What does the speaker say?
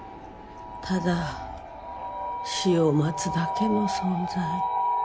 ただ死を待つだけの存在。